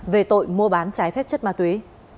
về tội mua bán trái phép chất ma túy